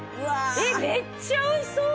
えっめっちゃ美味しそう！